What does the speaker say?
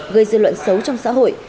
gây dư luận xấu trong xã hội